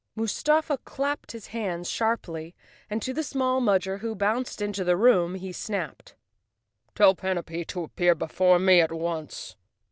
Mustafa clapped his hands sharply and to the small Mudger who bounced into the room he snapped, " Tell Panapee to appear before me at once."